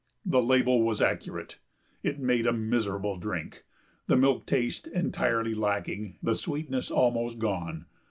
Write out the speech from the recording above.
The label was accurate; it made a miserable drink, the milk taste entirely lacking, the sweetness almost gone.